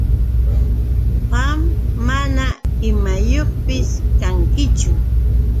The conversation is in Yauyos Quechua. Qam mana imayuqpis kankichu.